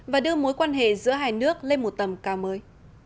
và đưa mối quan hệ giữa hai nước lên một tầm cao mới